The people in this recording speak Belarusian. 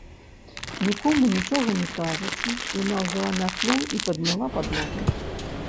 Нікому нічога не кажучы, яна ўзяла мятлу і падмяла падлогу.